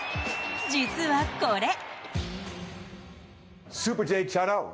実は、これ。